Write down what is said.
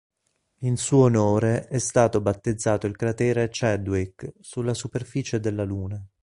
In suo onore è stato battezzato il cratere Chadwick, sulla superficie della Luna.